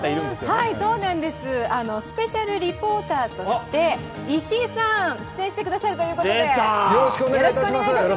スペシャルリポーターとして石井さん、出演してくださるということでよろしくお願いします。